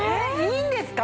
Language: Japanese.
いいんですか？